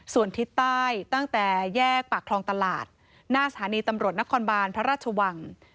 ส่วนทิศใต้ตั้งแต่แยกปากคลองตลาดหน้าสถานีตำรวจนครบานพระราชวัง